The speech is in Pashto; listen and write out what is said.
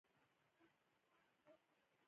د نجونو تعلیم د شاتو مچیو ساتنه هڅوي.